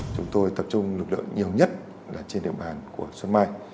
chúng tôi tập trung lực lượng nhiều nhất là trên địa bàn của xuân mai